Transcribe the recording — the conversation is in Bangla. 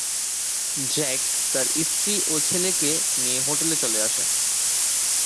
জ্যাক তার স্ত্রী ও ছেলেকে নিয়ে হোটেলে চলে আসে।